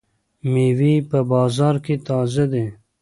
مېوې په بازار کې تازه دي.